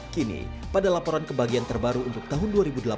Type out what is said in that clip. kini pada laporan kebagian terbaru untuk tahun dua ribu delapan belas